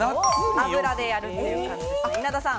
油でやるという感じです。